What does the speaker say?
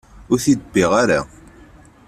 Ur t-id-wwiɣ ara.